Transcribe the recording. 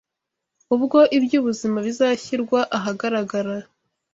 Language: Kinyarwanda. ubwo iby’ubuzima bizashyirwa ahagaragara